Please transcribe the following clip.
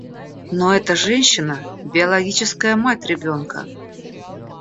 Но эта женщина – биологическая мать ребенка.